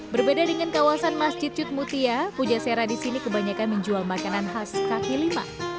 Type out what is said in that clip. berbeda dengan kawasan masjid cutmutia puja sera di sini kebanyakan menjual makanan khas kaki lima